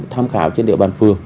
tham khảo trên địa bàn phường